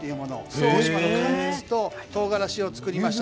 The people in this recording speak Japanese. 周防大島町のかんきつととうがらしを作りました